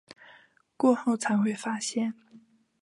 过后才会发现